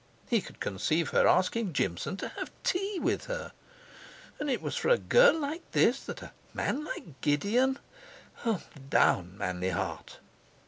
He could conceive her asking Jimson to have tea with her! And it was for a girl like this that a man like Gideon Down, manly heart!